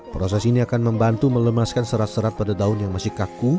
proses ini akan membantu melemaskan serat serat pada daun yang masih kaku